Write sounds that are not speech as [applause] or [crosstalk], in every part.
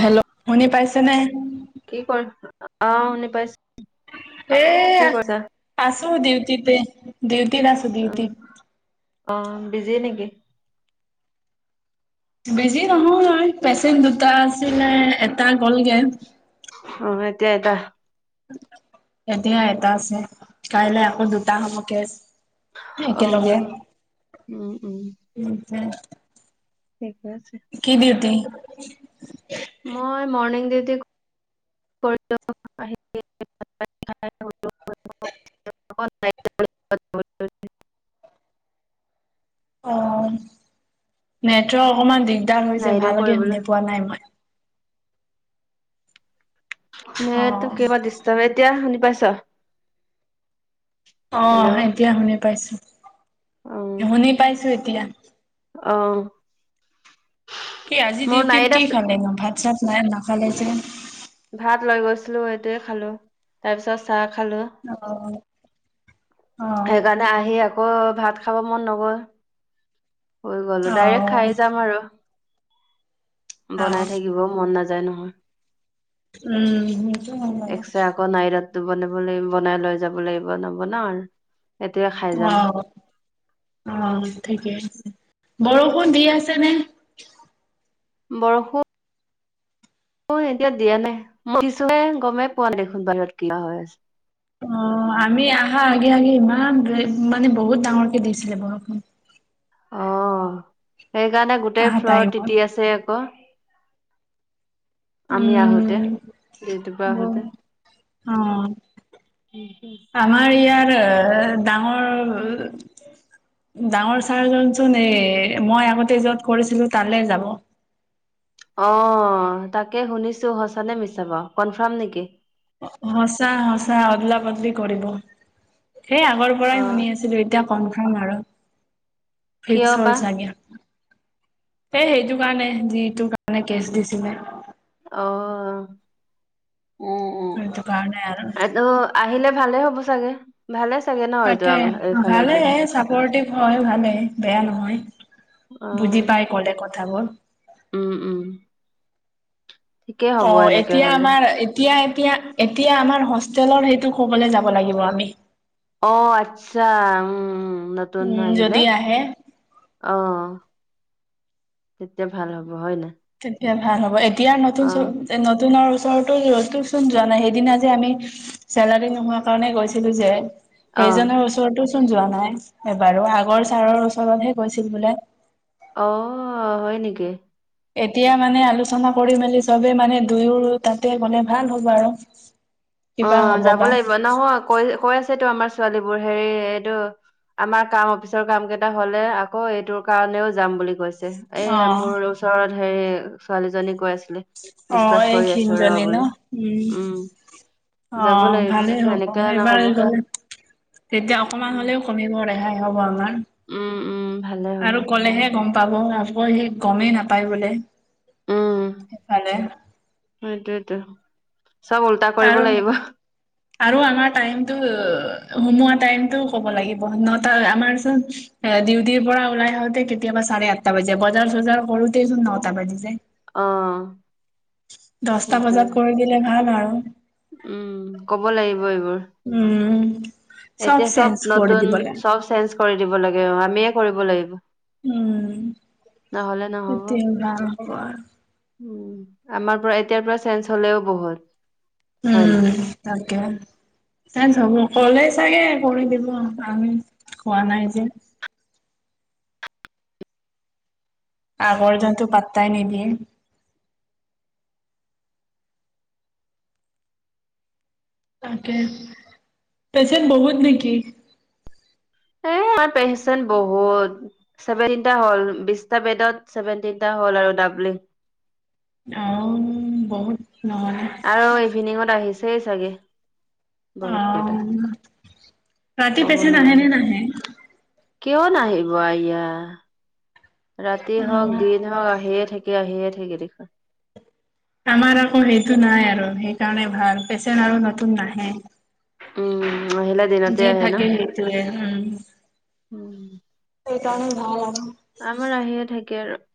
Hello শুনি পাইছেনে? কি ক অ', শুনি পাই এ আছো ডিউটিটে ডিউটি আছো অ ডিউটি। অ', বিজি নেকি? বিজি নহয় পেচেণ্ট দুটা আছিলে এটা গ'লগে। অ', এতিয়া এটা এতিয়া এটা আছে কাইলে আকৌ দুটা হ'ব কেছ। অ একেলগে উম উম উম। ঠিকে আছে। কি ডিউটি? মই মৰ্ণিং ডিউটি কৰি [unintelligible] ব [unintelligible] অ', নেটৱৰ্ক অকমান দিগদাৰ হৈছে নাইদেউ ভালকে কৰিবলৈ শুনি পোৱা নাই মই। নেইটো অ', কেইবা ডিষ্টাব এতিয়া শুনি পাইছ। হেল্ল' অ', এতিয়া শুনি পাইছোঁ শুনি পাইছোঁ এতিয়া। অহ। এই আজি ডিউটিত কি খালি ন ভাত চাত নাই নাখালে যে ভাত লৈ গৈছিলো সেইটোৱে খালো তাৰ পিছত চাহ খালো। অ', অ'। সেইকাৰণে আহি আকৌ ভাত খাব মন নগ'ল। হৈ গলো অ', ডাইৰেক্ট খাই যাম আৰু অ', বনাই থাকিব মন নাযায়। যায় নহয় [inaudible] উম সেইটো [unintelligible] বনাই ৰাটো বনাব লাগিব বনাই লৈ যাব লাগিব নবনাও আৰু এতিয়া খাই যাম অ', অ', ঠিকে আছে, বৰষুণ দি আছে নে? বৰষুণ অ', এতিয়া দিয়া নাই মই কিছু গমেই পোৱা নাই দেখোন বাহিৰত কিবা হৈ আছে অ', আমি আহা আগে আগে ইমান মানে বহুত ডাঙৰকে দিছিলে বৰষুন। অ', সেইকাৰণে গোটেই আহা ফ্লৰত টাইমত তিতি আছে আকৌ। আমি আহোতে উম, ডিউটি পা আহোতে। ব- অ'। হম, হম। আমাৰ ইয়াৰ ডাঙৰ ডাঙৰ ছাৰজনচোন এ মই আগতে য'ত কৰিছিলো তালৈ যাব। অ' তাকে শুনিছো সঁচানে মিছা বা কনফাৰ্ম নেকি? সঁচা সঁচা অদলা বদলি কৰিব সেই আগৰ অ পৰাই শুনি আছিলো। এতিয়া কনফাৰ্ম আৰু কিয় ফিক্স বা হ'ল চাগে। এই সেইটো কাৰণে যিটোৰ কাৰণে কেচ দিছিলে অ', উম, উম সেইটো কাৰণে আৰু এইটো আহিলে ভালে হ'ব চাগে ভালে চাগে ন এইটো তাকে ভালে এইফালৰটো [unintelligible] হয় ভালে বেয়া নহয়। বুজি পাই অ', ক'লে কথাবোৰ উম, উম। ঠিকেই হ'ব অ', এনেকে এতিয়া হ'লে আমাৰ এতিয়া এতিয়া এতিয়া আমাৰ হোষ্টেলৰ সেইটো ক'বলৈ যাব লাগিব আমি। অ', আচ্ছা উম নতুন উম আহিলে। যদি আহে অ', তেতিয়া ভাল হ'ব হয় নাই। তেতিয়া ভাল হ'ব এতিয়া নতুন অ নতুনৰ ওচৰতোচোন যোৱা নাই সেইদিনা যে আমি চেলাৰী নোহোৱা কাৰণে গৈছিলো যে। অ সেইজনৰ ওচৰতো চোন যোৱা নাই এবাৰো আগৰ ছাৰৰ ওচৰতহে গৈছিল বোলে। অ', হয় নেকি? এতিয়া মানে আলোচনা কৰি মেলি চবে মানে দুয়োৰ তাতে গ'লে ভাল হ'ব আৰু। অ', কিবা হ'ব যাব বা লাগিব নহয় কৈ-কৈ আছেতো আমাৰ ছোৱালীবোৰ হেৰি এইটো আমাৰ কাম অফিচৰ কাম কেইটা হ'লে আকৌ এইটোৰ কাৰণেও যাম বুলি কৈছে। অ এয়া মোৰ ওচৰত হেৰি ছোৱালীজনী কৈ আছিলে। অ', ডিচকাচ এই কৰি ক্ষীণ আছো ৰ জনী ন বুলি উম। যাব অ', লাগিব ভালেই হ'ব এনেকে এইবাৰ নহব গ'লে তেতিয়া অকণমান উম হ'লেও কমিব ৰেহাই হ'ব আমাৰ। উম, উম। ভালে হ'ব আৰু ক'লেহে গম পাব আকৌ সি গমেই নাপায় বোলে। ইফালে সেইটোয়েতো চব ওল্টা কৰিব আৰু লাগিব। আৰু আমাৰ টাইমতটো সুমোৱা টাইমতটো ক'ব লাগিব নটা আমাৰ চোন এ ডিউটিৰ পৰা ওলাই আহোতে কেতিয়াবা চাৰে আঠটা বাজে বজাৰ চজাৰ কৰোতেচোন নটা বাজি যায়। অ'। দহটা সেইটোয়ে বজাত কৰি দিলে ভাল আৰু। উম, ক'ব লাগিব এইবোৰ। উম। এতিয়া চব চেঞ্জ কৰি নতুন দিব লাগে চব চেঞ্জ কৰি দিব লাগে আমিয়ে কৰিব লাগিব। উম, নহলে নহব সেইটোৱে ভাল খবৰ। উম, আমাৰ পৰা এতিয়াৰ পৰা চেঞ্জ হ'লেও বহুত হয় নাই? উম তাকে। চেঞ্জ হ'ব ক'লেই চাগে কৰি দিব আমি কোৱা নাই যে। আগৰ যোনটো পাত্তাই নিদিয়ে। তাকে পেছেণ্ট বহুত নেকি? এ আমাৰ পেচেন্ট বহুত। ছেভেনটিতা হ'ল বিশটা বেডত ছেভেনটিটা হ'ল আৰু ডাবলিং অ', বহুত নহ'লে। আৰু ইভিনিঙত আহিছেই চাগে। বহুত কেইটা অ', ৰাতি কব পেচেণ্ট আহে নে নোৱাৰো নাহে? কিয় নাহিব আয়া। ৰাতি হওঁক অ' দিন হওঁক আহিয়ে থাকে আহিয়ে থাকে দেখোন। আমাৰ আকৌ সেইটো নাই আৰু সেইকাৰণে ভাল পেচেণ্ট আৰু নতুন নাহে। উম, আহিলা দিনতে যি আহে ন? থাকেহি। উম, সেইকাৰণে ভাল আৰু। আমাৰ আহিয়ে থাকে আৰু।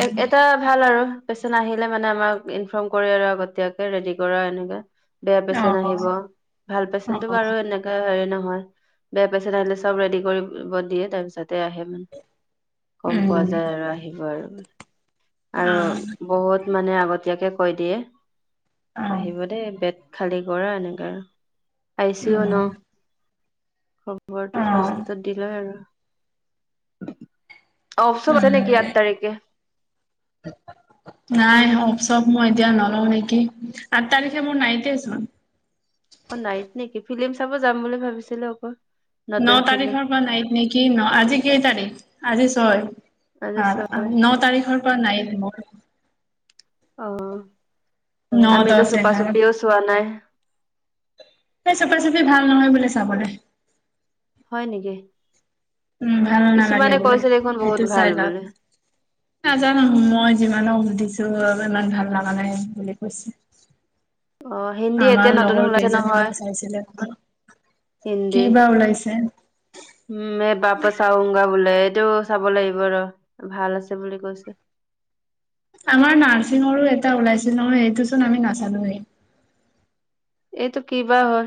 এ-এ এটা ভাল আৰু পেচেণ্ট আহিলে মানে আমাক ইনফৰ্ম কৰি আৰু আগতিয়াকে ৰেডি কৰা এনেকে। বেয়া অ', পেচেণ্ট আহিব ভাল পেচেণ্টটো অ', বাৰু এনে হেৰি নহয় বেয়া পেমেন্ট আহিলে চব ৰেডি কৰিব দিয়ে তাৰ পিছতে আহে মানে। কম পোৱা উম, যায় আৰু আহিব আৰু, আৰু অ', বহুত। মানে আগতীয়াকে কৈ দিয়ে অ', আহিব দেই বেত খালী কৰা এনেকে আৰু আইচিও উম, ন। বৰটো অ', ফাৰ্ষত দিলয় আৰু। অ, অফচন আছে নেকি উম। আঠ তাৰিখে। নাই অব চব মই এতিয়া নলও নেকি আঠ তাৰিখে মোৰ নাইকিয় আছমান। অ, নাইত নেকি ফিলি্ম চাব যাম বুলি ভাবিছিলো অকৌ। ন, তাৰিখৰ পৰা নাইত নেকি ন, আজি কেই তাৰিখ আজি ছয়। আজি ভ ছয় ন তাৰিখৰ পৰা নাই মোৰ। অ, ন আমিতো দহ চোপা এঘাৰ চুপিও চোৱা নাই। স, চফা চফি ভাল নহয় বুলি চাবলৈ। হয় নেকি। উম, ভাল নালাগে কিছুমানে বোলে কৈছে দেখোন বহুত সেইটো ভাল চাই লা। বুলি নাজানো মই যিমানক সুধিছো ইমান ভাল নাজানে বুলি কৈছে। অ হিন্দী এতিয়া আমাৰ নতুন লগৰ ওলাইছে কেইজনী নহয় মানে চাইছিলে হিন্দী কবা ওলাইছে। উম, এই বাপ চাওগা বোলে এইটো চাব লাগিব ৰ ভাল আছে বুলি কৈছে। আমাৰ নাৰ্ছিঙৰো এটা ওলাইছিল নহয় সেইটো চোন আমি নাচানো। এইটো কি বা হয়।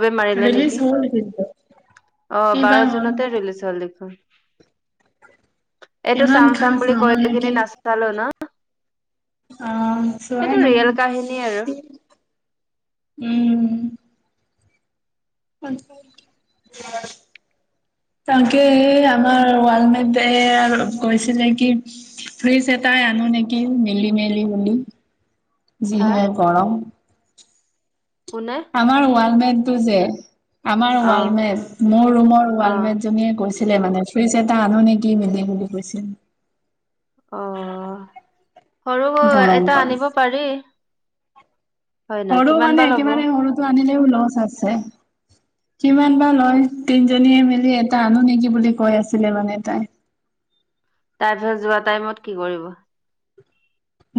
বে মাৰিলে ৰিলিজ নেকি হ'ল কিন্তু অ, কি বা বাৰ হ'ল জুনতে ৰিলিজ হ'ল দেখোন। এইটো ইমান চাম, চাম খাচ বুলি কৈ নহ'ল কি নেকি নাচালো ন। অ, চায় এইটো ন ৰিয়েল কাহিনী আৰু উম। [inaudible] তাকে আমাৰ ৱ মে আৰু কৈছিলে কি ফ্ৰিছ এটাই আনো নেকি মিলি, মেলি বুলি হা যিহে গৰম। কোনে আমাৰ ৱালমেটটো যে আমাৰ অ ৱালমেট মোৰ ৰুমৰ অ ৱালমেটজনীয়ে কৈছে। ছিলে মানে ফুইজ এটা আনো নেকি মিলি বুলি কৈছিল। অ, সৰু গৰম এটা কাল আনিব পাৰি। হয় নহয় সৰু কিমান মানে বা ল'ব একেবাৰে সৰুতটো আনিলেও লচ আছে কিমান বা লয় তি জনীয়ে মেলি এটা আনো নেকি বুলি কৈ আছিলে মানে তাই। তাৰপিছত যোৱা টাইমত কি কৰিব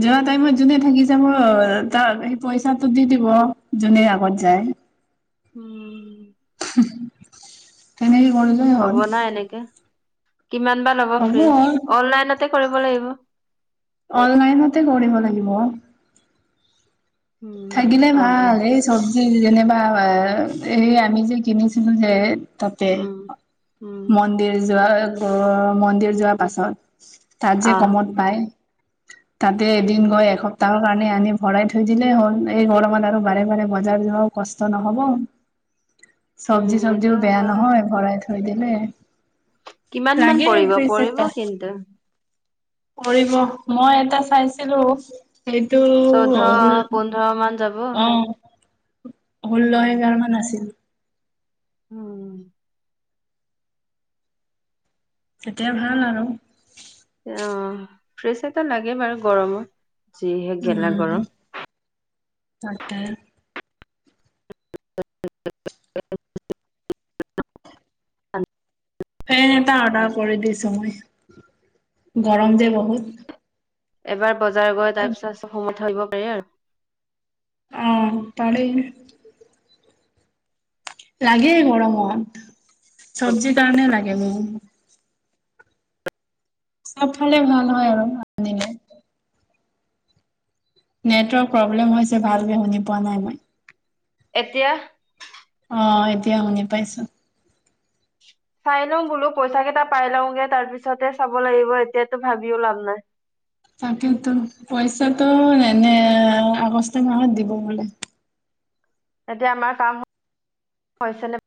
যোৱা টাইমত যোনে থাকিছে মোৰ তাক সেই পইচাটো দি দিব যোনে আগত যায়। উম। তেনেকে কৰো যে হ'ব হ'ল। না কিমান বা ল'ব হ'ব ফ্ৰজ অনলাইনতে কৰিব লাগিব। অনলাইনতে কৰিব লাগিব। উম থাকিলে অ ভাল এই চব। যেনিবা এই আমি যে কিনিছিলো যে তাতে উম উম মন্দিৰ যোৱা মন্দিৰ যোৱাৰ পাছত তাত যে আহ কমত পায় তাতে এদিন গৈ এসপ্ত তাৰ কাৰণে আনি ভৰাই থৈ দিলেই হ'ল। এই গল মালাৰ বাৰে, বাৰে বজাৰ যিব কষ্ট নহব। চব্জি, উম এইটো চব্জিও বেয়া হয় নহয় ভৰাই থৈ দিললে কিমান মান পৰিব, পৰিব কিন্তু। কৰিব মই এটা চাইছিলো সেইটো। দহ মান যাব। অ, ষোল্ল এগাৰ মান আছিল। উম। তেতিয়া ভাল আৰু। অ, ফ্ৰেছ এটা লাগে বাৰু গৰমত যিহে গেলা উম্, গৰম তাকেই। অ', ফেন এটা অৰ্ডাৰ কৰি দিছোঁ মই, গৰম যে বহুত। এবাৰ বজাৰ গৈ, তাৰ পিছত চব সোমত থ আহিব পাৰি আৰু। অ', পাৰি। লাগে গৰমত, চবজিৰ কাৰণে লাগে। উম্, চবফালে ভাল হয় আৰু আনিলে। নেটৱৰ্ক প্ৰব্লেম হৈছে, ভালকে শুনি পোৱা নাই মই। এতিয়া। অ', এতিয়া শুনি পাইছোঁ। চাই লওঁ বোলো, পইচা কেইটা পাই লওঁগে, তাৰ পিছতে চাব লাগিব এতিয়াতো ভাবিও লাভ নাই। তাকেইতো পইচাটো এনে আগষ্ট মাহত দিব বোলে। এতিয়া আমাৰ কাম হৈছে নে।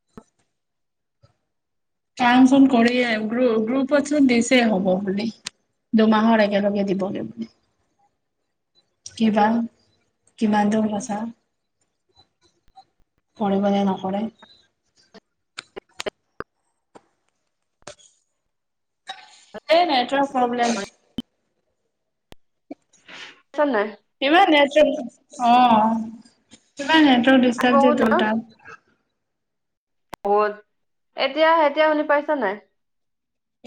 কাম চোন কৰিছে, গ্ৰুপ গ্ৰুপত চোন দিছে হ'ব বুলি। দুমাহৰ একেলগে দিবগৈ। কিবা, কিমানটো সঁচা। কৰিবনে নকৰে। এ নেটৱৰ্ক প্ৰব্লেম। আছেন নাই। ইমান নেটৱৰ্ক, অ', ইমান আজি নেটৱৰ্ক দিয়ে বহুত ন টোৰ তাত। বহুত, এতিয়া এতিয়া শুনি পাইছঁন নাই।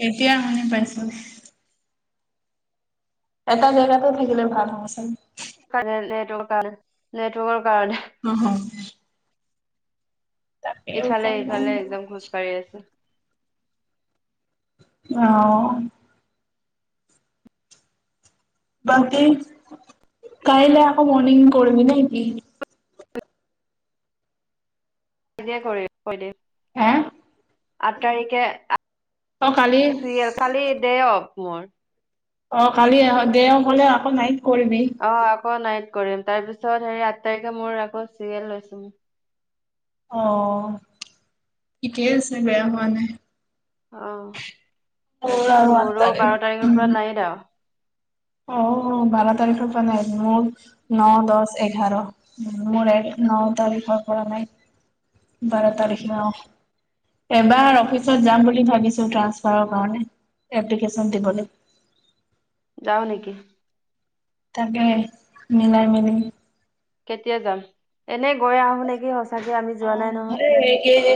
এতিয়া শুনি পাইছোঁ। এটা জেগাতে থাকিলে ভাল আহেচোন। নেট কাৰনে, নেটৱৰ্ক কাৰনে। নহওঁ। ইফালে উপায় নাই সিফালে একদম খোজ কাঢ়ি আছোঁ। অ', বাকী, কাইলৈ আকৌ মৰ্নিং কৰিবি নেকি? দিনতে কৰি কৈ দে। হে আঠ তাৰিখে অ কালি চিৰিয়েল, খালি দে অ'ক মোৰ। অ' কালি দেও হ'লে, আকৌ নাইট কৰিবি। অ', আকৌ নাইট কৰিম, তাৰপিছত হেৰি আঠ তাৰিখে মোৰ আকৌ চিৰিয়েল লৈছোঁ। অ', ঠিকেই আছে, বেয়া হোৱা নাই। অ', মোৰ তাৰপিছত আৰু আঠ মোৰো তাৰিখ, বাৰ তাৰিখৰ পৰা উম। নাই আৰু। অ', বাৰ তাৰিখৰ পৰা নাইট, মোৰ ন দশ এঘাৰ। মোৰ এক ন তাৰিখৰ পৰা নাই, বাৰ তাৰিখ উম অ', এইবাৰ অফিচত যাম বুলি ভাবিছোঁ। ট্ৰাঞ্চফাৰৰ কাৰণে, এপ্লিকেশ্যন দিবলৈ। যাওঁ নেকি? তাকেহে মিলাই মিলি। কেতিয়া যাম, এনেই গৈ আহোঁ নেকি? সঁচাকে আমি যোৱা নাই নহয় অ',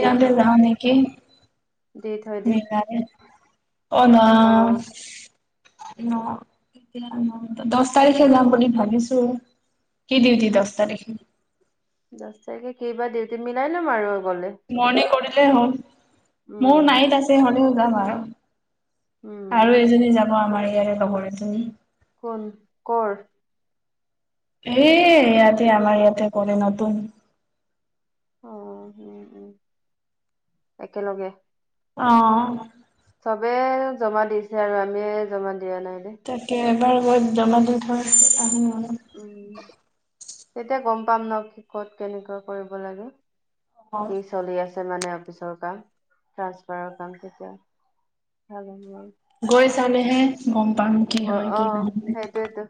দি থৈ যাওঁ নেকি? দি থৈ দিম মিলাই অ', ন। দহ তাৰিখে যাম বুলি ভাবিছোঁ, কি দিউটি দহ তাৰিখে। দহ তাৰিখে কি বা ডিউটি মিলাই ল'ম আৰু গ'লে। মৰ্ণিং কৰিলেই হ'ল, মোৰ উম নাইট আছে হ'লেও যাম আৰু। উম আৰু এজনী যাব, আমাৰ ইয়াৰে লগৰ এজনী। কোন, ক'ৰ? এ ইয়াতে, আমাৰ ইয়াতে কৰে নতুন। অ', উম্ উম্, একেলগে। অ', চবে জমা দিছে আৰু আমিয়ে জমা দিয়া নাই দেই। তাকে এবাৰ গৈ জমা দি থৈ আহো আৰু। উম, তেতিয়া গম পাম ন ক'ত কেনেকৈ কৰিব লাগে। ক অ [unintelligible] চলি আছে মানে অফিচৰ কাম ট্ৰানচপাৰৰ কাম তেতিয়া ভাল হব আৰু। গৈ চালেহে গম পাম কি হয় কি অ নহয়। সেইটোৱেতো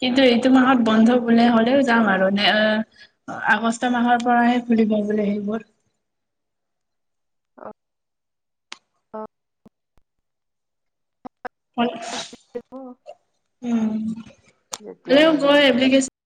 কিন্তু এইটো মাহত বন্ধ বলে হ'লেও যাম আৰু ন এ আগষ্ট মাহৰ পৰাহে খুলিব বোলে সেইবোৰ। অ উম, হলেও তেতিয়াহ'লে গৈ এপ্লিকেচন